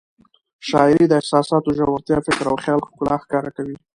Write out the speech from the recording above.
شاعري د احساساتو ژورتیا، فکر او خیال ښکلا ښکاره کوي.